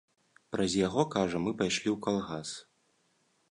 Праз яго, кажа, мы пайшлі ў калгас.